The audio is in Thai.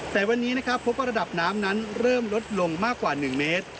แต่วันนี้นะครับพบว่าระดับน้ำนั้นเริ่มลดลงมากกว่า๑เมตร